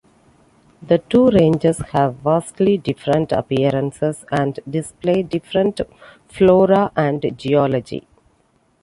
The two ranges have vastly different appearances and display different flora and geology.